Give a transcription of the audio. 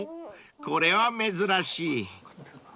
これは珍しい］